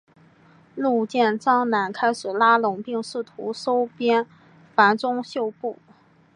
陆建章乃开始拉拢并试图收编樊钟秀部。